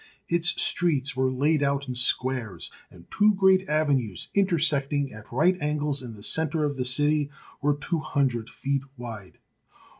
Its streets were laid out in squares, and two great avenues, intersecting at right angles in the centre of the city, were two hundred feet wide.